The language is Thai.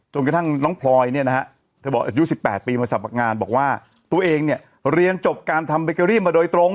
กระทั่งน้องพลอยเนี่ยนะฮะเธอบอกอายุ๑๘ปีมาสมัครงานบอกว่าตัวเองเนี่ยเรียนจบการทำเบเกอรี่มาโดยตรง